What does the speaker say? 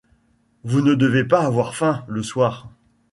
Vous ne devez pas avoir faim, le soir…